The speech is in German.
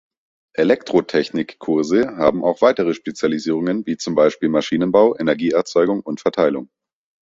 "Elektrotechnik"-Kurse haben auch weitere Spezialisierungen, wie z. B. Maschinenbau, Energieerzeugung und -verteilung.